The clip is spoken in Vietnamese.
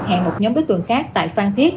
hẹn một nhóm đối tượng khác tại phan thiết